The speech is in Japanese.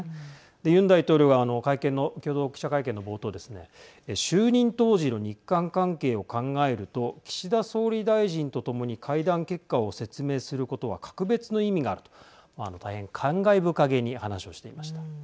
で、ユン大統領は会見の共同記者会見の冒頭ですね就任当時の日韓関係を考えると岸田総理大臣と共に会談結果を説明することは格別の意味があると大変感慨深げに話をしていました。